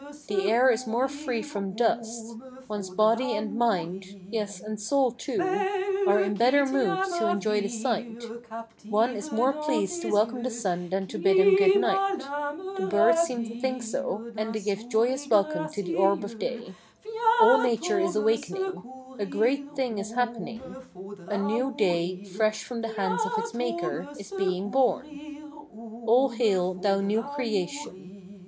The air is more free from dust; one's body and mind, yes, and soul, too, are in better mood to enjoy the sight; one is more pleased to welcome the sun than to bid him good night; the birds seem to think so and they give joyous welcome to the orb of day; all nature is awakening; a great thing is happening; a new day, fresh from the hands of its Maker, is being born. All hail, thou new creation!